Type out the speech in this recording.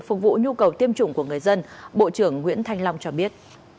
phục vụ nhu cầu tiêm chủng của người dân bộ trưởng nguyễn thanh long cho biết